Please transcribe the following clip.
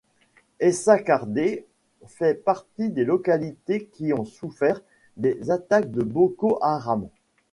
Aissa Kardé fait partie des localités qui ont souffert des attaques de Boko Haram.